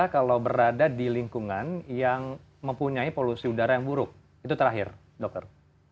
kalau berada di lingkungan yang mempunyai polusi udara yang buruk itu terakhir dokter